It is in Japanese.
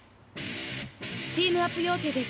チームアップ要請です。